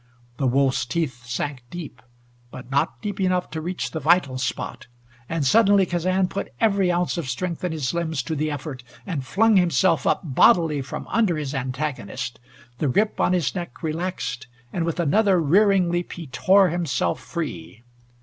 The wolf's teeth sank deep, but not deep enough to reach the vital spot, and suddenly Kazan put every ounce of strength in his limbs to the effort, and flung himself up bodily from under his antagonist. The grip on his neck relaxed, and with another rearing leap he tore himself free.